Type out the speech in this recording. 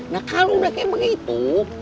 nah kalau udah kayak begitu